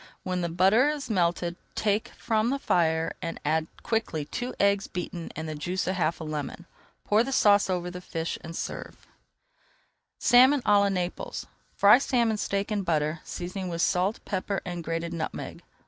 When the butter is melted, take from the fire and add quickly two eggs beaten with the juice of half a lemon. Pour the sauce over the fish and serve. [Page 282] SALMON À LA NAPLES Fry salmon steaks in butter, seasoning with salt, pepper, and grated nutmeg.